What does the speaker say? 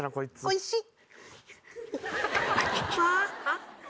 おいしい。